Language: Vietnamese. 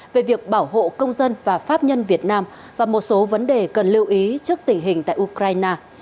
về việc bảo hộ công dân và pháp nhân việt nam và một số vấn đề cần lưu ý trước tình hình tại ukraine